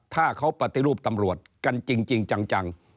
ถ้าเขาปฏิรูปตำรวจกันจริงจัง